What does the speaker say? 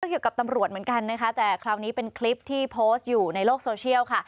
เกี่ยวกับตำรวจเหมือนกันนะคะแต่คราวนี้เป็นคลิปที่โพสต์อยู่ในโลกโซเชียลค่ะ